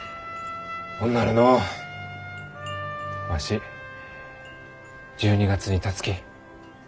ほんならのうわし１２月にたつき。